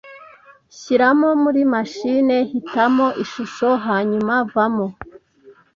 Shyiramo muri mashine hitamo Ishusho hanyuma vamo